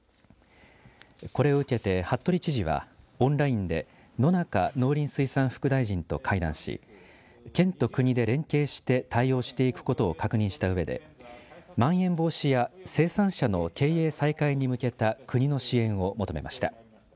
これを受けて服部知事はオンラインで野中農林水産副大臣と会談し県と国で連携して対応していくことを確認したうえでまん延防止や生産者の経営再開に向けた国の支援を求めました。